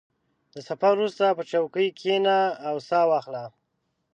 • د سفر وروسته، په چوکۍ کښېنه او سا واخله.